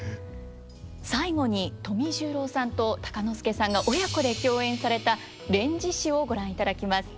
最後に富十郎さんと鷹之資さんが親子で共演された「連獅子」をご覧いただきます。